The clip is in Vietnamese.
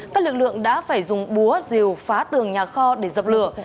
các lực lượng đã phải dùng búa rìu phá tường nhà kho để dập lửa